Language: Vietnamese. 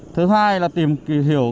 thứ hai là tìm hiểu